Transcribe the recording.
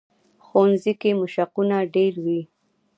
ښوونځی کې مشقونه ډېر وي